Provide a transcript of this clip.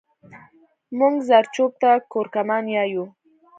مونږ زرچوب ته کورکمان يايو